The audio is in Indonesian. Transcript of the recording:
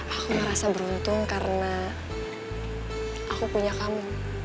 aku merasa beruntung karena aku punya kamu